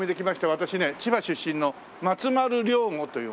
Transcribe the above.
私ね千葉出身の松丸亮吾という者です。